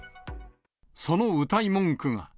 そのうたい文句が。